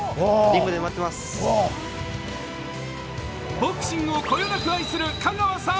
ボクシングをこよなく愛する香川さん